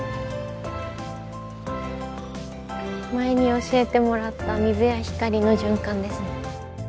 前に教えてもらった水や光の循環ですね。